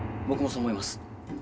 僕もそう思います。